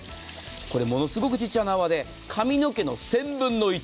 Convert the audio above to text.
ものすごく小さな泡で髪の毛の１０００分の１。